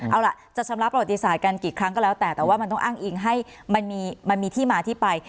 เอาล่ะจะชำระประวัติศาสตร์กันกี่ครั้งก็แล้วแต่แต่ว่ามันต้องอ้างอิงให้มันมีที่มาที่ไป